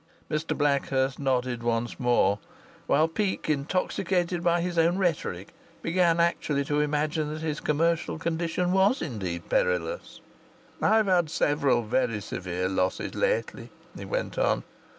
Mr Blackhurst nodded once more, while Peake, intoxicated by his own rhetoric, began actually to imagine that his commercial condition was indeed perilous. "I've had several very severe losses lately," he went on.